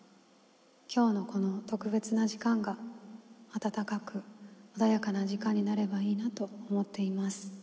今日のこの特別な時間が、温かく穏やかな時間になればいいなと思っています。